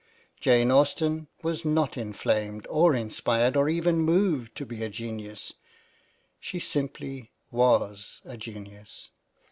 Jane Austen was not inflamed or inspired or even moved to be a genius ; she simply was a genius.